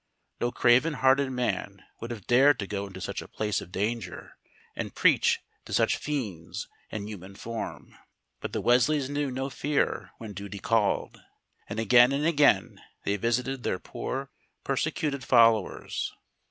No craven hearted man would have dared to go into such a place of danger, and preach to such fiends in human form; but the Wesleys knew no fear when duty called, and again and again they visited their poor, persecuted followers.